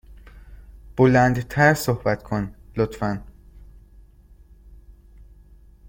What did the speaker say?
بلند تر صحبت کن، لطفا.